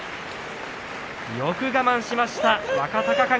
よく我慢しました、若隆景。